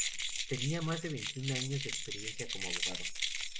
Tenía más de veintiún años de experiencia como abogado.